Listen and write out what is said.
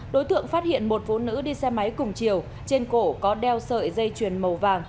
đối tượng phát hiện một phụ nữ đi xe máy cùng chiều trên cổ có đeo sợi dây chuyền màu vàng